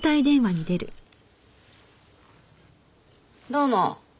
どうも。